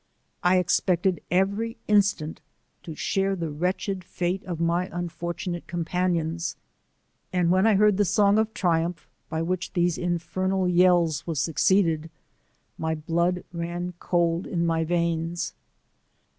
I ex pected every instant to share the wretched fate of my unforluBate companions*, and when 1 heard the song of triumph, by which these infernal yells was succeeded, my blood ran cold in my veins.